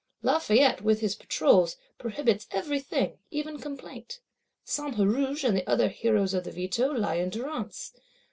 Lafayette, with his Patrols prohibits every thing, even complaint. Saint Huruge and other heroes of the Veto lie in durance.